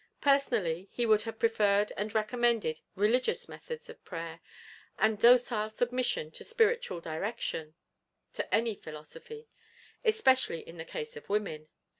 Personally he would have preferred and recommended Religious methods of prayer, and docile submission to spiritual direction, to any philosophy, especially in the case of women.